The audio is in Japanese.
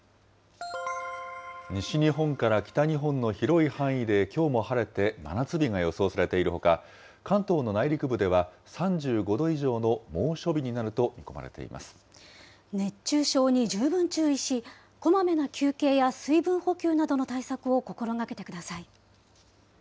西日本から北日本の広い範囲で、きょうも晴れて真夏日が予想されているほか、関東の内陸部では、３５度以上の猛暑日になると熱中症に十分注意し、こまめな休憩や水分補給などの対策を心がけてください。